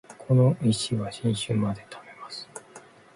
この石は新春まで貯めます